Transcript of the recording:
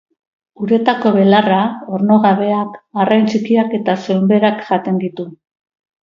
Uretako belarra, ornogabeak, arrain txikiak eta soinberak jaten ditu.